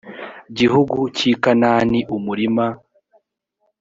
gihugu cy i kanani umurima